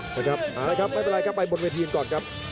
ครับครับไม่เป็นไรนะครับไปบนเวทียังก่อนครับ